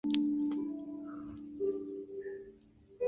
睫毛粗叶木为茜草科粗叶木属下的一个变种。